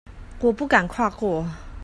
我不敢跨過